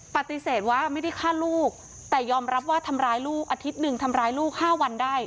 ปฏิเสธว่าไม่ได้ฆ่าลูกแต่ยอมรับว่าทำร้ายลูกอาทิตย์หนึ่งทำร้ายลูก๕วันได้